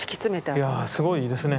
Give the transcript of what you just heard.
いやあすごいですね。